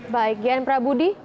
baik ian prabudi